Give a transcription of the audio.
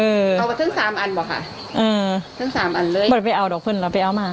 เอามาทั้งสามอันบอกค่ะเออทั้งสามอันเลยเหมือนไปเอาดอกเพื่อนเราไปเอามา